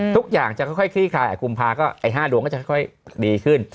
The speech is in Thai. ทุกอย่างจะค่อยคลี่คลายกุมภาก็ไอ้๕ดวงก็จะค่อยดีขึ้น